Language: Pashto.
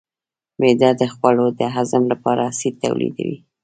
معده د خوړو د هضم لپاره اسید تولیدوي.